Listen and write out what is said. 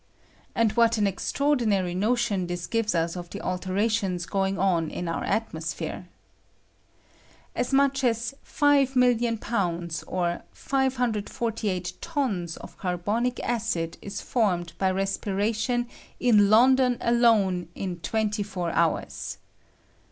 And what an extraordinary notion this gives ua of the alterations going on in our atmcsphere. As mucli as 5,000,000 pounds, or 648 tons, of carbonic acid is formed by respira tion in London alone in twenty four hours.